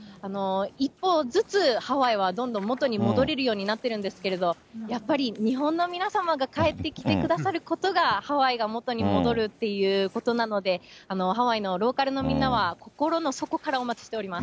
一歩ずつ、ハワイはどんどん元に戻れるようになってるんですけど、やっぱり日本の皆様が帰ってきてくださることが、ハワイが元に戻るっていうことなので、ハワイのローカルのみんなは、心の底からお待ちしております。